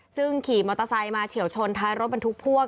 ซึ่งขี่มอเตอร์ไซค์มาเฉียวชนท้ายรถบรรทุกพ่วง